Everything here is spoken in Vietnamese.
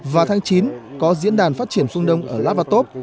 và tháng chín có diễn đàn phát triển phương đông ở lava top